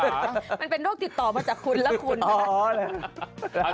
มันเป็นโรคติดต่อมาจากคุณและคุณ